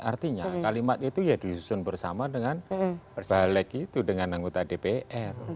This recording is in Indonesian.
artinya kalimat itu ya disusun bersama dengan balik itu dengan anggota dpr